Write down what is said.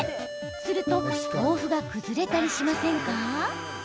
すると豆腐が崩れたりしませんか？